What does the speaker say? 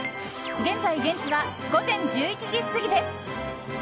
現在、現地は午前１１時過ぎです。